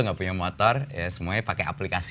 tidak punya motor semuanya pakai aplikasi